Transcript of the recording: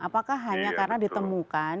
apakah hanya karena ditemukan